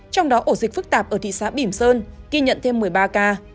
trong đó ổ dịch phức tạp ở thị xã bỉm sơn ghi nhận thêm một mươi ba ca